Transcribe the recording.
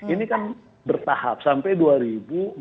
ini kan bertahap sampai dua ribu empat puluh lima